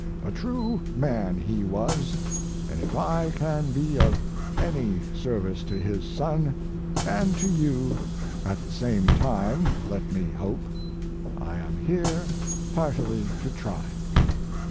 A true man he was; and if I can be of any service to his son and to you at the same time, let me hope I am here heartily to try.